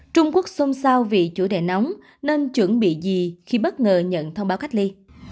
trung quốc xôn xao vì chủ đề nóng nên chuẩn bị gì khi bất ngờ nhận thông báo cách ly